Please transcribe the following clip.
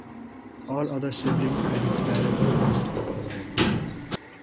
All other siblings and his parents remained in England.